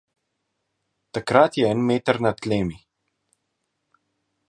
Takrat je en meter nad tlemi.